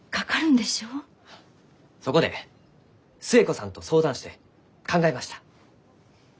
そこで寿恵子さんと相談して考えました。